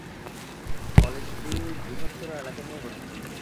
কলেজটি বৃহত্তর এলাকা নিয়ে গঠিত।